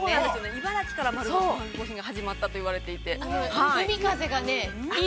◆茨城から丸干しが始まったと言われていて。